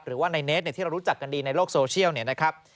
หรือว่าในเนสที่เรารู้จักกันดีในโลกโซเชียลเนี่ยนะครับ